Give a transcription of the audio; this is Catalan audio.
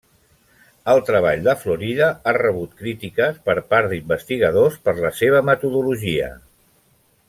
El treball de Florida ha rebut crítiques per part d'investigadors, per la seva metodologia.